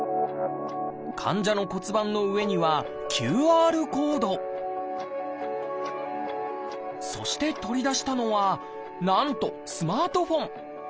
患者の骨盤の上にはＱＲコードそして取り出したのはなんとスマートフォン。